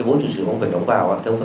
và cái thứ ba là